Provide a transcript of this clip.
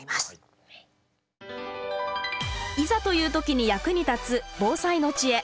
いざという時に役に立つ防災の知恵。